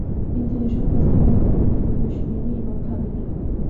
কিন্তু এ-সব কথা আমি কখনো পূর্বে শুনি নি এবং ভাবি নি।